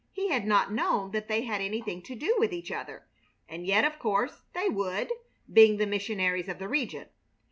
He had not known that they had anything to do with each other. And yet, of course, they would, being the missionaries of the region.